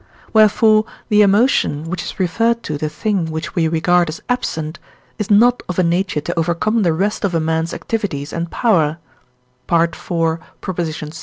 Wherefore, the emotion, which is referred to the thing which we regard as absent, is not of a nature to overcome the rest of a man's activities and power (IV. vi.)